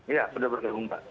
iya sudah bergabung pak